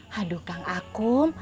haduh kang akum